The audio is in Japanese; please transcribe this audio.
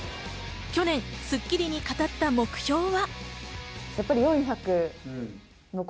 去年『スッキリ』に語った目標は。